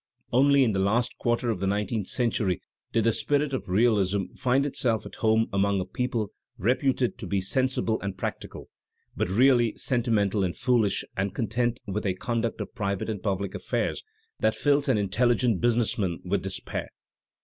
Only in the last quarter of the nineteenth century did the spirit of realism find itself at home among a people reputed to be sensible and practical, but really sentimental and foolish and content with a conduct of private and public affairs that fills an inteUi gent business man with despair.